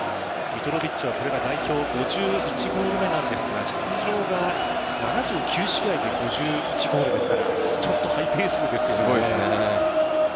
ミトロヴィッチは、これが代表５１ゴール目なんですが出場が７９試合で５１ゴールですからちょっとハイペースですよね。